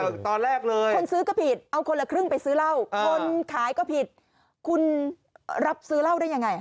ตอนแรกเลยคนซื้อก็ผิดเอาคนละครึ่งไปซื้อเหล้าคนขายก็ผิดคุณรับซื้อเหล้าได้ยังไง